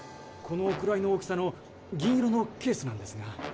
このくらいの大きさの銀色のケースなんですが。